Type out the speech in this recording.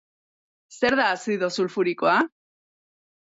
Zer da azido sulfurikoa?